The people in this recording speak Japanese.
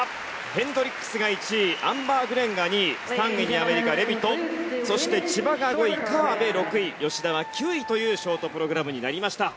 ヘンドリックスが１位アンバー・グレンが２位３位にアメリカレビトそして千葉が５位河辺６位吉田が９位というショートプログラムになりました。